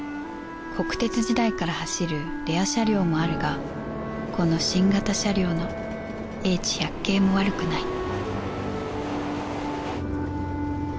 国鉄時代から走るレア車両もあるがこの新型車両の Ｈ１００ 形も悪くない